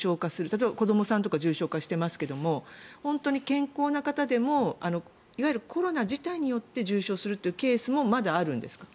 例えば子どもさんとか重症化していますが本当に健康な方でもいわゆるコロナ自体によって重症化するというケースもまだあるんですか？